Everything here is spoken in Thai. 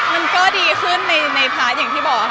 มันก็ดีขึ้นในพาร์ทอย่างที่บอกค่ะ